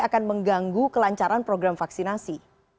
akan mengganggu kelancaran program vaksinasi